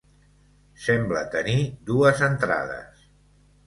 Sembla tenir dues entrades.